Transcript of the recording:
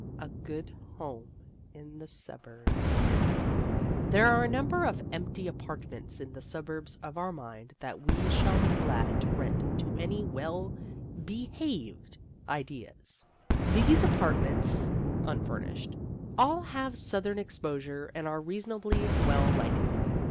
A GOOD HOME IN THE SUBURBS There are a number of empty apartments in the suburbs of our mind that we shall be glad to rent to any well behaved ideas. These apartments (unfurnished) all have southern exposure and are reasonably well lighted.